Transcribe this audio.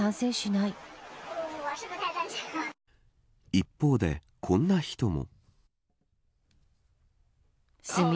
一方で、こんな人も。